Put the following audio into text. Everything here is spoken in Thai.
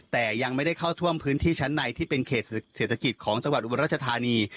แต่ยังไม่ได้เข้าท่วมพื้นที่ชั้นในที่เป็นเขตเศรษฐกิจของจังหวัดอุบลราชธานี